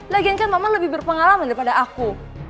legeng kan mama lebih berpengalaman daripada aku